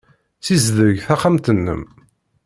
Ssizdeg taxxamt-nnem.